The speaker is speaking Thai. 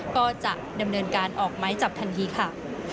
ก็จะดำเนินการออกไม้จับทันทีค่ะ